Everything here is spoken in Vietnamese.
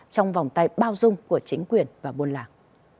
trong vòng tay bao dung của chính quyền và buôn làng